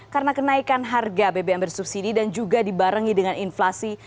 karena kenaikan harga bbm bersubsidi dan juga dibarengi dengan inflasi